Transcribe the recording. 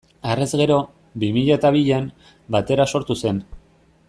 Harrez gero, bi mila eta bian, Batera sortu zen.